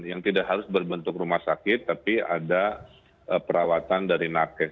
yang tidak harus berbentuk rumah sakit tapi ada perawatan dari nakes